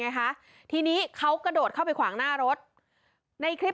อันตรายเรียกชื่อเขาอยู่ตลอดเวลาแต่คนขับรถยนต์ที่เป็นคู่กรณีไม่สนใจแล้ว